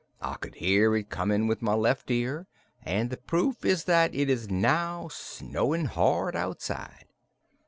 I could hear it coming with my left ear, and the proof is that it is now snowing hard outside."